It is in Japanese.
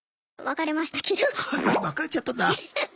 別れちゃったんだ。